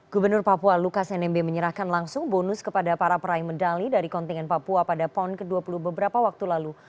gubernur papua lukas nmb menyerahkan langsung bonus kepada para peraih medali dari kontingen papua pada pon ke dua puluh beberapa waktu lalu